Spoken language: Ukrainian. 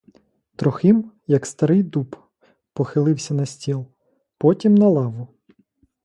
Трохим, як старий дуб, похилився на стіл, потім на лаву.